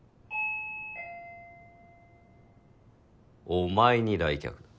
お前に来客だ。